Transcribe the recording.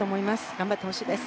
頑張ってほしいです。